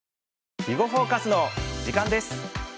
「囲碁フォーカス」の時間です。